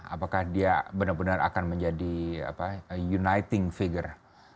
apakah dia benar benar akan menjadi uniting figure